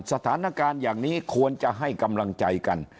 สถานการณ์อย่างนี้ควรจะให้กำลังใจกัน